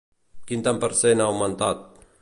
Quin tant per cent ha augmentat?